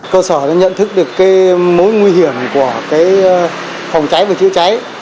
cơ sở đã nhận thức được mối nguy hiểm của phòng cháy và chữa cháy